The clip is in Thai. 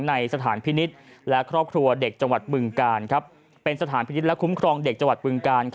ในสถานพินิจและครอบครัวเด็กจังหวัดบึงการ